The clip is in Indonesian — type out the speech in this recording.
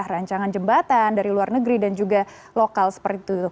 rancangan jembatan dari luar negeri dan juga lokal seperti itu